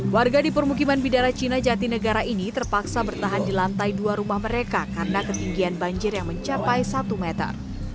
warga di permukiman bidara cina jatinegara ini terpaksa bertahan di lantai dua rumah mereka karena ketinggian banjir yang mencapai satu meter